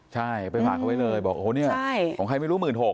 ใช่ไปฝากเขาไว้เลยบอกโอ้โหเนี่ยของใครไม่รู้๑๖๐๐